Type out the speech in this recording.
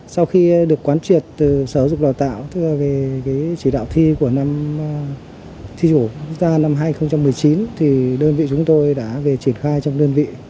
sau khi được quán truyệt sở dục đào tạo về chỉ đạo thi của năm hai nghìn một mươi chín đơn vị chúng tôi đã về triển khai trong đơn vị